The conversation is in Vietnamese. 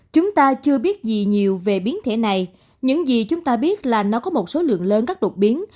chúng ta chưa biết gì nhiều về biến thể này những gì chúng ta biết là nó có một số lượng lớn các đột biến